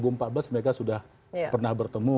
dua ribu empat belas mereka sudah pernah bertemu